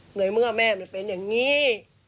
เหนื่อยเมื่อแม่มันเป็นอย่างนี้